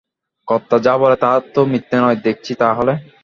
কর্তা যা বলে তা তো মিথ্যে নয় দেখছি তা হলে।